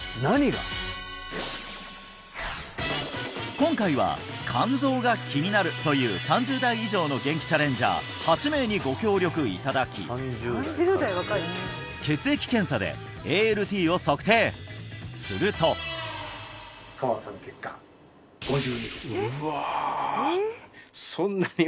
今回は肝臓が気になるという３０代以上のゲンキチャレンジャー８名にご協力いただきすると川野さんの結果５２ですうわ！